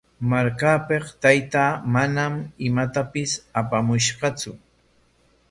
Markapik taytaa manam imatapis apamushqatsu.